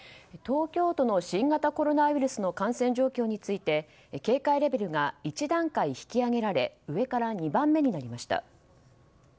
東京都の新型コロナウイルスの感染状況について警戒レベルが１段階引き上げられ上から２番目になりました。